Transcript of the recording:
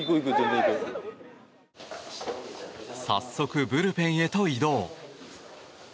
早速、ブルペンへと移動。